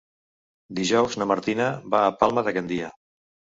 Dijous na Martina va a Palma de Gandia.